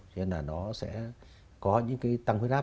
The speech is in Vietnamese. cho nên là nó sẽ có những cái tăng huyết áp